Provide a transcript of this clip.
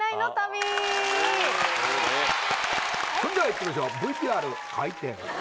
それではいってみましょうＶＴＲ回転。